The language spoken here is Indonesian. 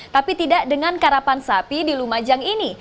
tapi tidak dengan karapan sapi di lumajang ini